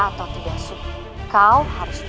saya tidak akan menghasilkan hak tertentu